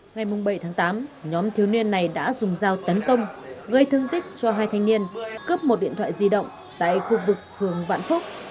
ngày bảy tháng tám nhóm thiếu niên này đã dùng dao tấn công gây thương tích cho hai thanh niên cướp một điện thoại di động tại khu vực phường vạn phúc